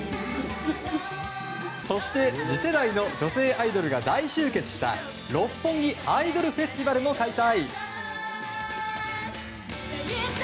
そして、次世代の女性アイドルが大集結した六本木アイドルフェスティバルも開催。